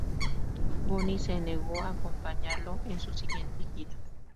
Bonnie se negó a acompañarlo en su siguiente gira.